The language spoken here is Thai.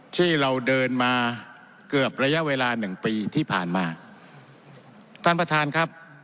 ที่เราเดินมาเกือบระยะเวลาหนึ่งปีที่ผ่านมาท่านประธานครับ